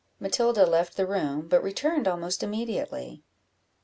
Matilda left the room, but returned almost immediately.